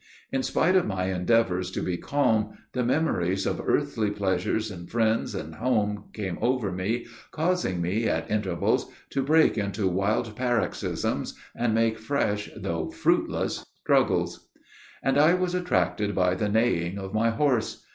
In spite of my endeavors to be calm, the memories of earthly pleasures, and friends, and home, came over me, causing me, at intervals, to break into wild paroxysms, and make fresh, though fruitless struggles. And I was attracted by the neighing of my horse.